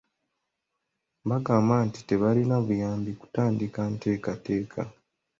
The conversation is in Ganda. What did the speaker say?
Baagamba nti tebaalina buyambi kutandika nteekateeka.